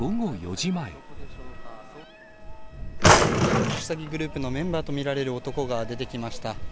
特殊詐欺グループのメンバーと見られる男が出てきました。